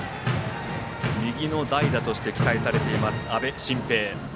右の代打として期待されている阿部慎平。